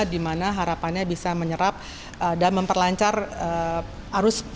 dimana harapannya bisa menyerap dan memperlancar arus pemudik lebih cepat untuk menyebrang